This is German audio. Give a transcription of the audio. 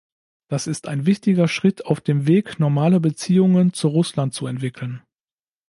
Das ist ein wichtiger Schritt auf dem Weg, normale Beziehungen zu Russland zu entwickeln.